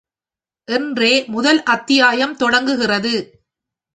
என்றே முதல் அத்தியாயம் தொடங்குகிறது.